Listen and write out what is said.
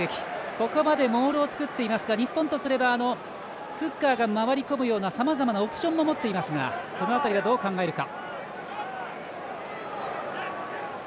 ここまでモールを作っていますが日本とすればフッカーが回り込むようなさまざまなオプションも持っていますがこの辺り、どう考えるか。